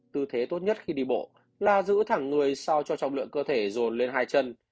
tư thế tốt nhất khi đi bộ là giữ thẳng người sao cho trọng lượng cơ thể dồn lên hai chân